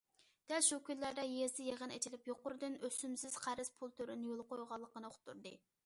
دەل شۇ كۈنلەردە يېزىدا يىغىن ئېچىلىپ، يۇقىرىدىن ئۆسۈمسىز قەرز پۇل تۈرىنى يولغا قويغانلىقىنى ئۇقتۇردى.